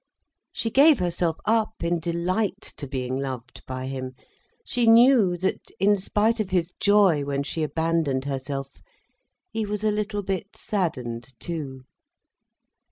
She gave herself up in delight to being loved by him. She knew that, in spite of his joy when she abandoned herself, he was a little bit saddened too.